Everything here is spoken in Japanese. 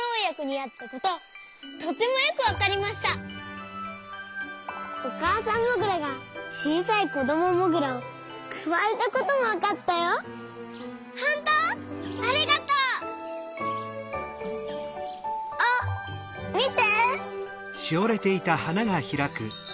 ありがとう。あっみて。